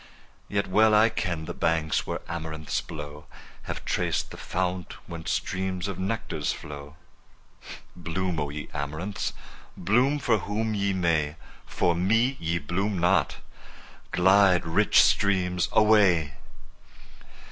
Yet well I ken the banks where amaranths blow, Have traced the fount whence streams of nectar flow. Bloom, O ye amaranths! bloom for whom ye may, For me ye bloom not! Glide, rich streams, away!